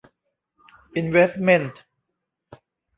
อินเวสต์เมนต์